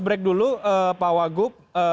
break dulu pak wagup